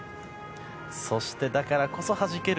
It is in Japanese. そして、だからこそはじける